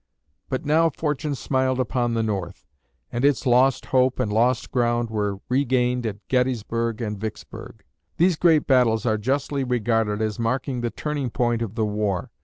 But now fortune smiled upon the North, and its lost hope and lost ground were regained at Gettysburg and Vicksburg. These great battles are justly regarded as marking the turning point of the war.